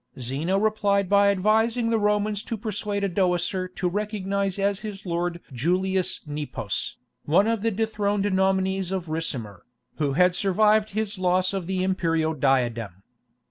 Zeno replied by advising the Romans to persuade Odoacer to recognize as his lord Julius Nepos, one of the dethroned nominees of Ricimer, who had survived his loss of the imperial diadem.